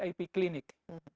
kegiatan mobil ip klinik